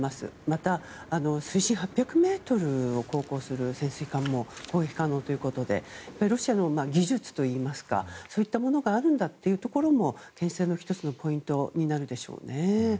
また、水深８００ｍを航行する潜水艦も攻撃可能ということでロシアの技術といいますかそういったものがあるんだということもけん制の１つのポイントになるでしょうね。